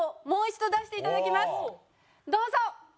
どうぞ！